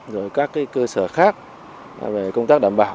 rồi các cơ sở khác về công tác đảm bảo